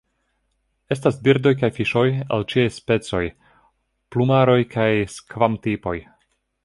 Estas birdoj kaj fiŝoj el ĉiaj specoj, plumaroj kaj skvam-tipoj.